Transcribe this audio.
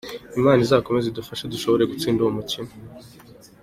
Imana izakomeza idufashe dushobore gutsinda uwo mukino.